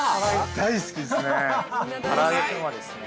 大好きですね。